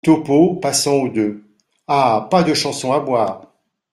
Topeau , passant au deux. — Ah ! pas de chanson à boire !